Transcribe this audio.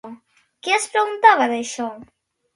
Què es preguntava d'això?